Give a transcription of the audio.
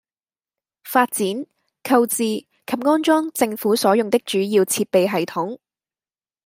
發展、購置及安裝政府所用的主要設備系統